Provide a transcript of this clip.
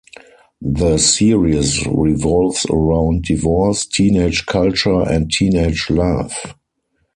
The series revolves around divorce, teenage culture and teenage love.